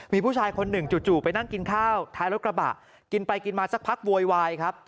มีผู้ชายคนหนึ่งจู่ไปนั่งกินข้าวท้ายรถกระบะกินไปกินมาสักพักโวยวายครับ